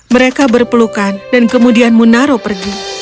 mereka berpelukan dan kemudian munaro pergi